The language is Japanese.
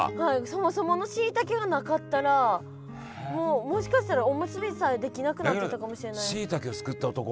そもそものしいたけがなかったらもうもしかしたらおむすびさえできなくなってたかもしれない。